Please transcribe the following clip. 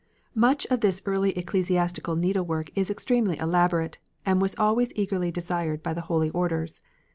Much of this early ecclesiastic needlework is extremely elaborate and was always eagerly desired by the holy orders.